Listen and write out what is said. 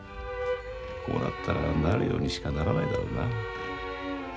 こうなったらなるようにしかならないだろうな。